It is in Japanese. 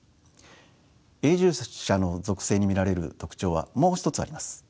永住者の属性に見られる特徴はもう一つあります。